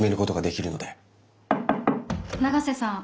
永瀬さん